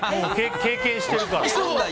経験してるから。